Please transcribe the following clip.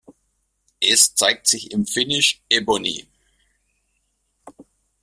Es zeigt sich im Finish „Ebony“.